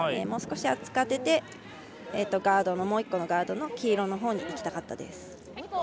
もう少し厚く当ててもう１個のガードの黄色のほうにいきたかったです。